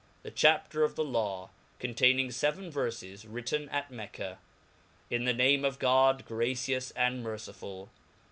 The Chaffer of the Law, containing fev en Verfes y Wiinen at Mecca. TN the name of God, gracious and merclfull.